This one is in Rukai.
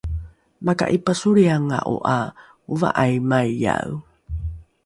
maka’ipasolrianga’o ’a ova’aimaiae